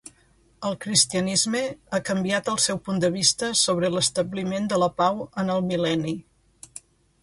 El cristianisme ha canviat el seu punt de vista sobre l'establiment de la pau en el mil·lenni.